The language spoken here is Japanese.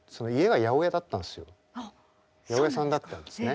八百屋さんだったんですね。